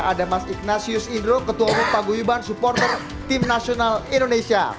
ada mas ignatius indro ketua umum paguyuban supporter tim nasional indonesia